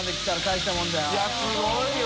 いすごいよ！